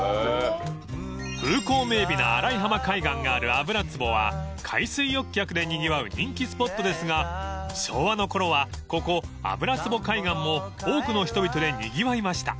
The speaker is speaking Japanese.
［風光明媚な荒井浜海岸がある油壺は海水浴客でにぎわう人気スポットですが昭和のころはここ油壺海岸も多くの人々でにぎわいました］